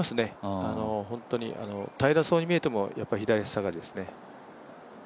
本当に平らそうに見えても左下がりですね。